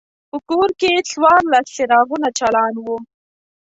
په کور کې څوارلس څراغونه چالان وو.